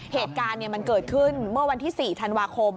เหตุการณ์มันเกิดขึ้นเมื่อวันที่๔ธันวาคม